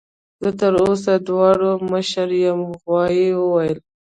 زه تر تاسو دواړو مشر یم غوايي وویل.